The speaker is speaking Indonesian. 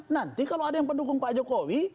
nanti kalau ada yang pendukung pak jokowi